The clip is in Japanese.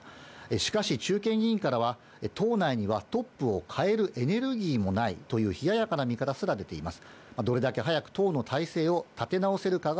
しかし、中堅議員からは、党内にはトップを変えるエネルギーもないという冷ややかな見方すら出ています。